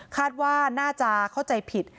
คาดว่าน่าจะเข้าใจผิด